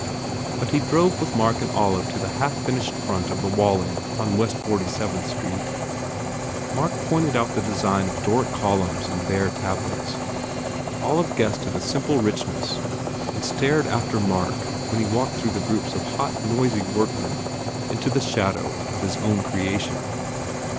But he drove with Mark and Olive to the half finished front of The Walling in West 47th Street. Mark pointed out the design of Doric columns and bare tablets. Olive guessed at a simple richness and stared after Mark when he walked through groups of hot, noisy workmen into the shadow of his own creation.